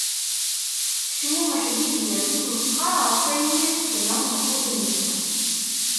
Tecmumeḥ Dihya s usmesxer ɣef wayen i as-tenna tmeṭṭut-nni.